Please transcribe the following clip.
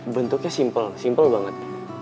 bentuknya simple simple banget